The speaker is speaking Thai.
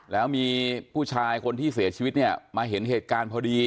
แล้วมีผู้ชายคนที่เสียชีวิตเนี่ยมาเห็นเหตุการณ์พอดี